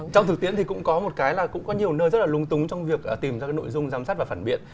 trong thực tiễn thì cũng có một cái là cũng có nhiều nơi rất là lung túng trong việc tìm ra cái nội dung giám sát và phản biện